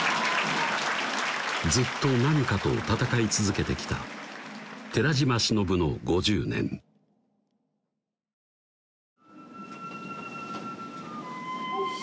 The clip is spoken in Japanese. ずっと何かと闘い続けてきた寺島しのぶの５０年「お久」